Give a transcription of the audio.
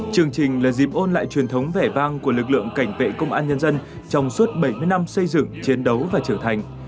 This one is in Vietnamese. chương trình là dịp ôn lại truyền thống vẻ vang của lực lượng cảnh vệ công an nhân dân trong suốt bảy mươi năm xây dựng chiến đấu và trưởng thành